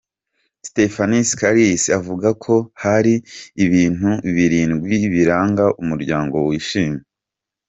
Stephanie Sarkis avuga ko hari ibintu birindwi biranga umuryango wishimye.